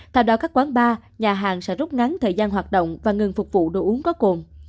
theo đó các quán bar nhà hàng sẽ rút ngắn thời gian hoạt động và ngừng phục vụ đồ uống có cồn